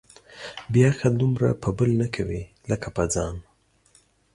بې عقل دومره په بل نه کوي ، لکه په ځان.